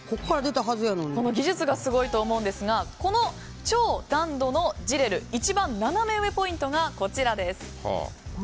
この技術がすごいと思うんですがこの超難度のＺＩＲＥＲＵ一番ナナメ上ポイントがこちら。